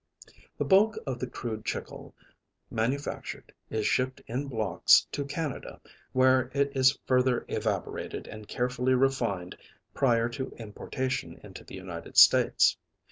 The bulk of the crude chicle manufactured is shipped in blocks to Canada, where it is further evaporated and carefully refined prior to importation into the United States.